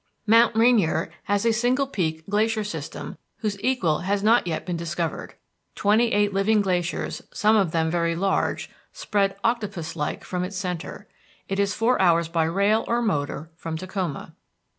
Mount Rainier has a single peak glacier system whose equal has not yet been discovered. Twenty eight living glaciers, some of them very large, spread, octopus like, from its centre. It is four hours by rail or motor from Tacoma.